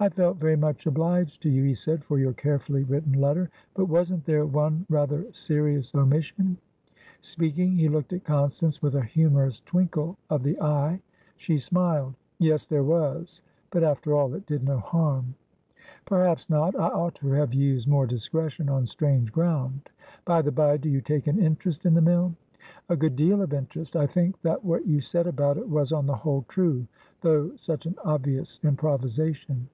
"I felt very much obliged to you," he said, "for your carefully written letter. But wasn't there one rather serious omission?" Speaking, he looked at Constance with a humorous twinkle of the eye. She smiled. "Yes, there was. But, after all, it did no harm." "Perhaps not. I ought to have used more discretion on strange ground. By the bye, do you take an interest in the mill?" "A good deal of interest. I think that what you said about it was, on the whole, truethough such an obvious improvisation."